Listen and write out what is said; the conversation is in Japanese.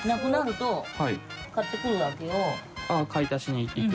買い足しに行く？